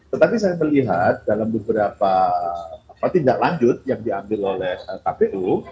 tetapi saya melihat dalam beberapa tindak lanjut yang diambil oleh kpu